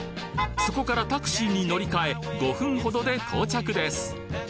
そこからタクシーに乗り換え５分程で到着です